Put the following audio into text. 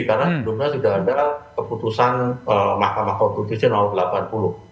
karena sebenarnya sudah ada keputusan mahkamah konstitusi tahun delapan puluh sembilan puluh